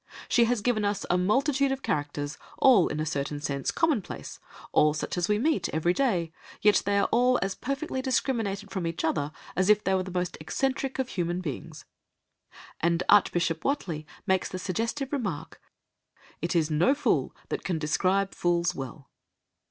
She has given us a multitude of characters, all, in a certain sense, commonplace, all such as we meet every day, yet they are all as perfectly discriminated from each other as if they were the most eccentric of human beings." And Archbishop Whateley makes the suggestive remark, "It is no fool that can describe fools well."